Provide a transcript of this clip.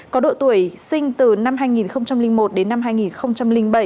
có độ tuổi sinh từ năm hai nghìn một đến năm hai nghìn bảy